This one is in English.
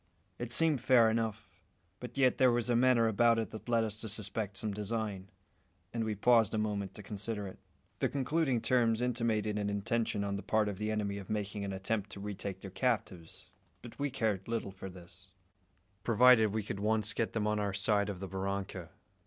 It seemed fair enough; but yet there was a manner about it that led us to suspect some design, and we paused a moment to consider it. The concluding terms intimated an intention on the part of the enemy of making an attempt to retake their captives; but we cared little for this, provided we could once get them on our side of the barranca.